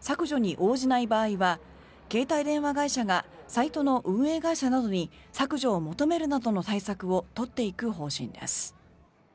削除に応じない場合は携帯電話会社がサイトの運営会社などに削除を求めるなどの対策を取っていく方針です。